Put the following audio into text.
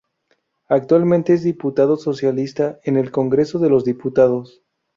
Actualmente es diputado socialista en el Congreso de los Diputados.